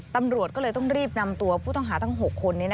ตำรวจก็เลยต้องรีบนำตัวผู้ต้องหาทั้ง๖คน